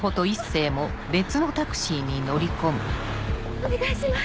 お願いします。